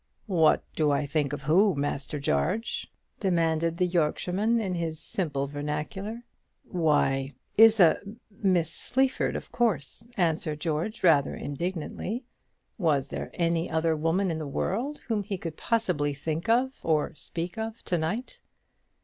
"What do I think to who, Master Jarge?" demanded the Yorkshireman, in his simple vernacular. "Why, Isa Miss Sleaford, of course," answered George, rather indignantly: was there any other woman in the world whom he could possibly think of or speak of to night?